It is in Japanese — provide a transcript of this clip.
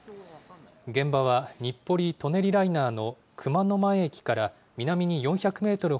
現場は日暮里・舎人ライナーの熊野前駅から南に４００メートル